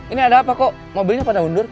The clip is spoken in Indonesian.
ini ada apa kok mobilnya pada mundur